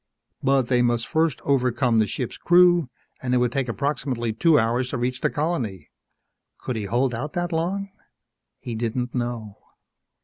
But they must first overpower the ship's crew, and it would take approximately two hours to reach the colony. Could he hold out that long? He didn't know.